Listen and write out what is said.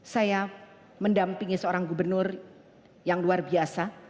saya mendampingi seorang gubernur yang luar biasa